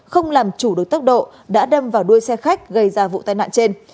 không làm chủ được tốc độ đã đâm vào đuôi xe khách gây ra vụ tai nạn trên